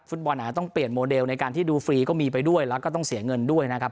บอลอาจจะต้องเปลี่ยนโมเดลในการที่ดูฟรีก็มีไปด้วยแล้วก็ต้องเสียเงินด้วยนะครับ